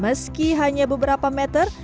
meski hanya beberapa meter